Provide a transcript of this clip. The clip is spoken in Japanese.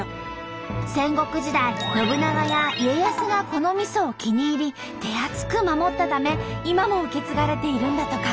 戦国時代信長や家康がこのみそを気に入り手厚く守ったため今も受け継がれているんだとか。